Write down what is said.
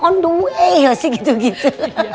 on the way gak sih gitu gitu